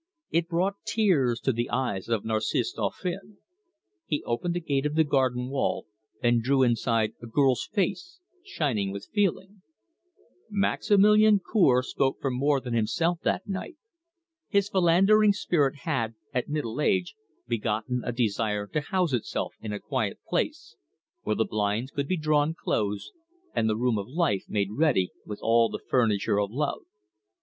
It brought tears to the eyes of Narcisse Dauphin. It opened a gate of the garden wall, and drew inside a girl's face, shining with feeling. Maximilian Cour spoke for more than himself that night. His philandering spirit had, at middle age, begotten a desire to house itself in a quiet place, where the blinds could be drawn close, and the room of life made ready with all the furniture of love.